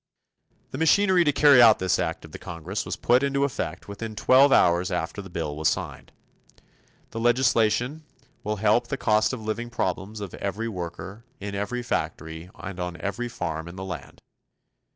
The machinery to carry out this act of the Congress was put into effect within twelve hours after the bill was signed. The legislation will help the cost of living problems of every worker in every factory and on every farm in the land.